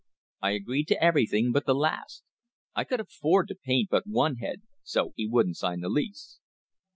I agreed to everything but the last. I could afford to paint but one head, and so he wouldn't sign the lease."